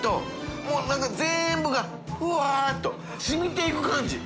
發なんか全部がフワァっと染みていく感じ。